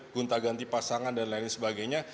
guntaganti pasangan dan lain sebagainya